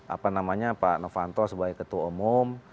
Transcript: apa namanya pak novanto sebagai ketua umum